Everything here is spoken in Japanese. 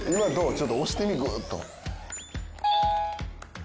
ちょっと押してみグーッと。